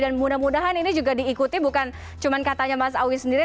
dan mudah mudahan ini juga diikuti bukan cuma katanya mas awi sendiri